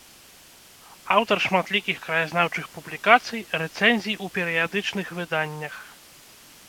Аўтар шматлікіх краязнаўчых публікацый, рэцэнзій у перыядычных выданнях.